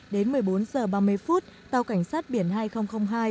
đến một mươi bốn h ba mươi phút tàu cảnh sát biển hai nghìn hai